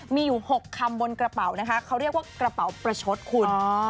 มีอยู่๖คำบนกระเป๋านะคะเขาเรียกว่ากระเป๋าประชดคุณ